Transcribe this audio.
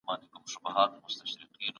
تعليم ازاد بهير دی.